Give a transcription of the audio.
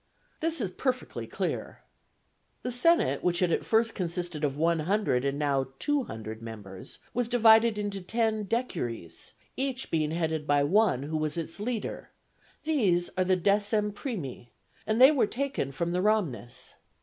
This is perfectly clear. The senate, which had at first consisted of one hundred and now two hundred members, was divided into ten decuries, each being headed by one, who was its leader; these are the decem primi, and they were taken from the Ramnes.